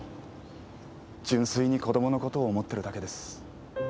純粋に子供のことを思ってるだけです。